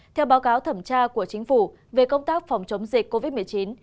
theo báo cáo thẩm tra của chính phủ về công tác phòng chống dịch covid một mươi chín